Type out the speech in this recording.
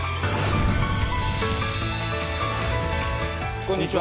こんにちは。